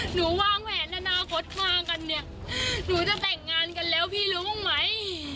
หนูว่างแผนแล้วนาคตมากันเนี่ยหนูจะแต่งงานกันแล้วพี่รู้มั้ย